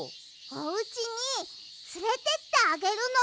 おうちにつれてってあげるの。